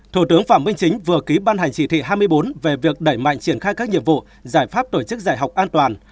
thủ tướng phạm minh chính vừa ký ban hành chỉ thị hai mươi bốn về việc đẩy mạnh triển khai các nhiệm vụ giải pháp tổ chức dạy học an toàn